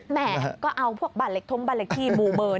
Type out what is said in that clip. แหมก็เอาพวกบัตรเล็กทุ่มบัตรเล็กที่บูเบอร์